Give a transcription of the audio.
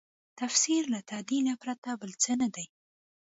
تفسیر له تعدیله پرته بل څه نه دی.